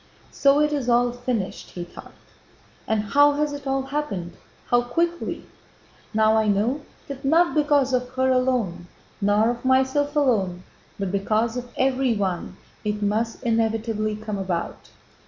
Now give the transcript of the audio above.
"So it is all finished!" he thought. "And how has it all happened? How quickly! Now I know that not because of her alone, nor of myself alone, but because of everyone, it must inevitably come about.